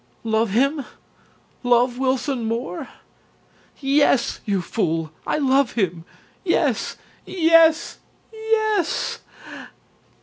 "LOVE HIM! LOVE WILSON MOORE? YES, YOU FOOL! I LOVE HIM! YES! YES! YES!"